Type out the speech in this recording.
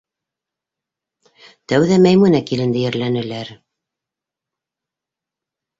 Тәүҙә Мәймүнә киленде ерләнеләр.